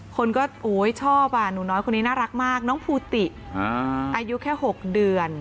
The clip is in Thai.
คนก็โอ๊ยชอบหนูน้อยคนนี้น่ารักมากน้องภูติอายุแค่๖เดือน